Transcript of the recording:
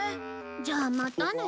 じゃあまたね。